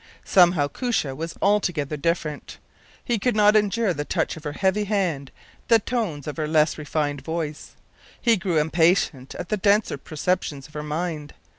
Somehow Koosje was altogether different; he could not endure the touch of her heavy hand, the tones of her less refined voice; he grew impatient at the denser perceptions of her mind.